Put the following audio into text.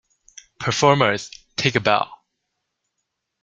Performers, take a bow!